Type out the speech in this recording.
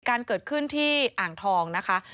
การเกิดขึ้นที่อ่างทองนะคะ